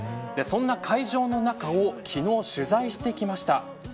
そんな会場の中を昨日、取材してきました。